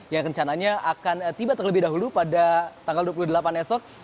yang rencananya akan tiba terlebih dahulu pada tanggal dua puluh delapan esok